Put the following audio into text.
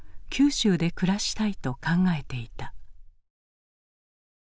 九州で暮らしたいと考えていた。